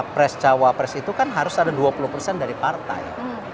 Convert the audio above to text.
pres cawa pres itu kan harus ada dua puluh dari partai